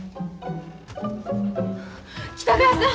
北川さん！